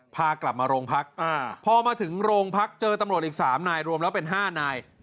พากลับมาโรงพักพอมาถึงโรงพักเจอตำรวจอีก๓นายรวมแล้วเป็น๕นาย